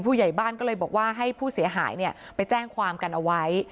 ผู้ใหญ่บ้านก็เลยบอกว่าให้ผู้เสียหายไปแจ้งความกันเอาไว้